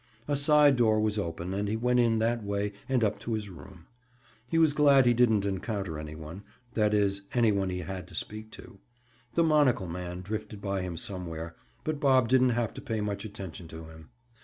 A side door was open and he went in that way and up to his room. He was glad he didn't encounter any one—that is, any one he had to speak to. The monocle man drifted by him somewhere, but Bob didn't have to pay much attention to him.